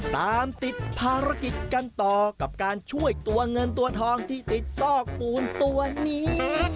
ตามติดภารกิจกันต่อกับการช่วยตัวเงินตัวทองที่ติดซอกปูนตัวนี้